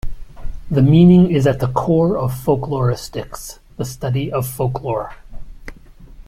This meaning is at the core of folkloristics, the study of folklore.